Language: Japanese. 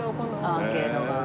アーケードが。